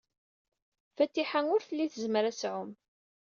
Fatiḥa ur telli tezmer ad tɛum.